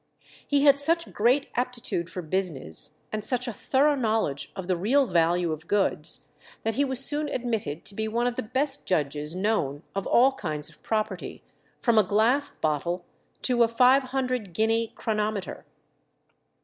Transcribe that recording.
He had such great aptitude for business, and such a thorough knowledge of the real value of goods, that he was soon admitted to be one of the best judges known of all kinds of property, from a glass bottle to a five hundred guinea chronometer.